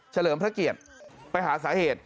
เลิมพระเกียรติไปหาสาเหตุ